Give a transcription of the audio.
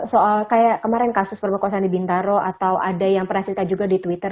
soal kayak kemarin kasus perbekosan di bintaro atau ada yang pernah cerita juga di twitter